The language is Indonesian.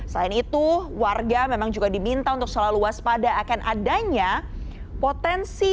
selain itu warga memang juga diminta untuk selalu waspada akan adanya potensi